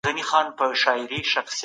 کمپيوټر شمېرې لري.